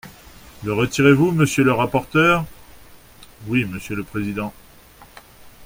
Le retirez-vous, monsieur le rapporteur ? Oui, monsieur le président.